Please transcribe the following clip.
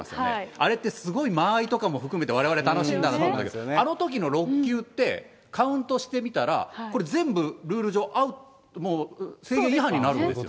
あれってすごい間合いとかも含めてわれわれ楽しんだと思うんだけど、あのときの６球って、カウントしてみたら全部ルール上、アウト、制限違反になるんですよ。